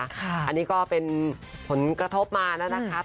อันนี้ก็เป็นผลกระทบมาแล้วนะคะ